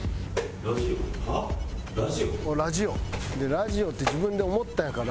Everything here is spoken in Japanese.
ラジオって自分で思ったんやから。